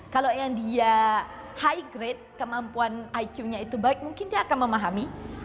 kalau yang dia high grade kemampuan iq nya itu baik mungkin dia akan memahami